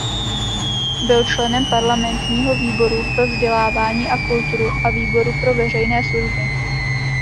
Byl členem parlamentního výboru pro vzdělávání a kulturu a výboru pro veřejné služby.